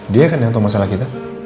dia kan yang tahu masalah kita